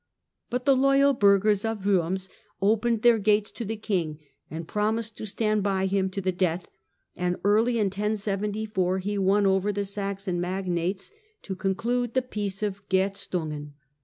But the loyal burghers of Worms opened their gates to the king and promised to stand by him to the death, and early in 1074 he won over the Saxon magnates to conclude the peace of Gerstungen.